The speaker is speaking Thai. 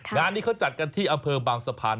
งานนี้เขาจัดกันที่อำเภอบางสะพาน